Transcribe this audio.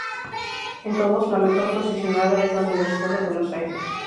En todos, la mejor posicionada es la Universidad de Buenos Aires.